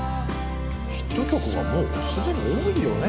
ヒット曲がもう既に多いよね。